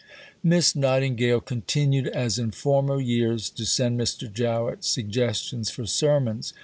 _ Miss Nightingale continued, as in former years, to send Mr. Jowett suggestions for sermons.